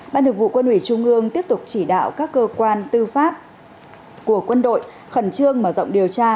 ban thường vụ quân ủy trung ương tiếp tục chỉ đạo các cơ quan tư pháp của quân đội khẩn trương mở rộng điều tra